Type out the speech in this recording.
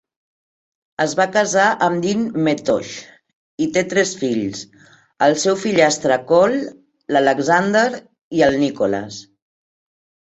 Es va casar amb Dean Methorst i té tres fills: el seu fillastre Cole, l'Alexander, i el Nicholas.